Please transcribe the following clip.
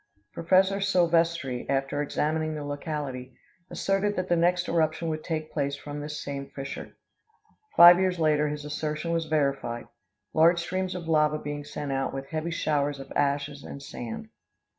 Prof. Silvestri, after examining the locality, asserted that the next eruption would take place from this same fissure. Five years later his assertion was verified, large streams of lava being sent out, with heavy showers of ashes and sand.